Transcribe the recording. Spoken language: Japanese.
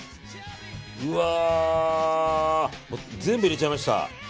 うわー、全部入れちゃいました。